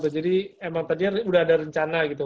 jadi emang tadinya sudah ada rencana gitu